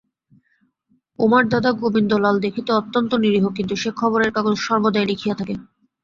উমার দাদা গোবিন্দলাল দেখিতে অত্যন্ত নিরীহ, কিন্তু সে খবরের কাগজে সর্বদাই লিখিয়া থাকে।